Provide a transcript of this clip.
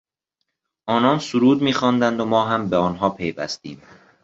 آنان سرود میخواندند و ما هم به آنها پیوستیم.